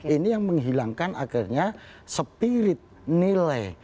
ini yang menghilangkan akhirnya spirit nilai